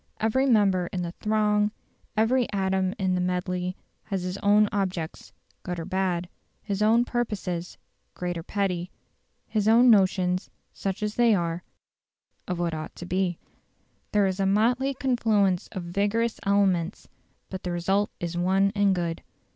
Every member in the throng, every atom in the medley, has his own objects (good or bad), his own purposes (great or petty); his own notions, such as they are, of what is; his own notions, such as they are, of what ought to be. There is a motley confluence of vigorous elements, but the result is one and good.